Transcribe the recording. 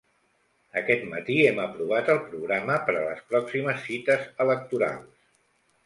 Aquest matí hem aprovat el programa per a les pròximes cites electorals.